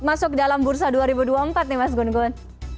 masuk dalam bursa dua ribu dua puluh empat nih mas gun gun